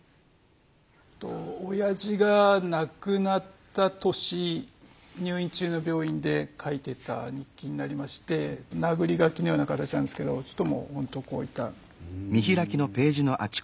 おやじが亡くなった年入院中の病院で書いてた日記になりましてなぐり書きのような形なんですけどほんとこういった。